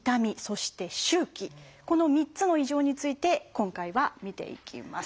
この３つの異常について今回は見ていきます。